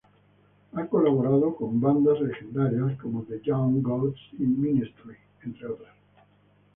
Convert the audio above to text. Ha colaborado con bandas legendarias como The Young Gods y Ministry entre otras.